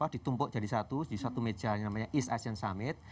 ditumpuk jadi satu di satu meja yang namanya east asian summit